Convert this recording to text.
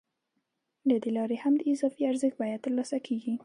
له دې لارې هم د اضافي ارزښت بیه ترلاسه کېږي